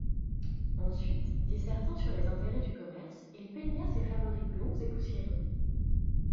Ensuite, dissertant sur les intérêts du commerce, il peigna ses favoris blonds et poussiéreux.